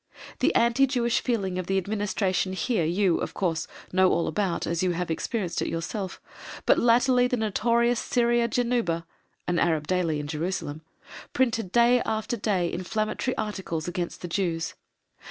The anti Jewish feeling of the Administration here you, of course, know all about, as you have experienced it yourself, but latterly the notorious Syria Genuba (an Arab daily in Jerusalem) printed day after day inflammatory articles against the Jews....